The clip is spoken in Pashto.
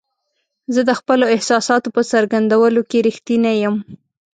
زه د خپلو احساساتو په څرګندولو کې رښتینی یم.